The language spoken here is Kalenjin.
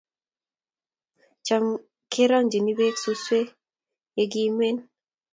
cham ke rong'chini beek suswek ya kiimen